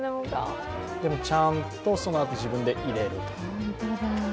でもちゃんとそのあと自分で入れる。